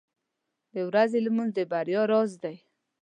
• د ورځې لمونځ د بریا راز دی.